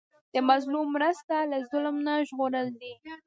د مظلوم مرسته له ظلم نه ژغورل دي.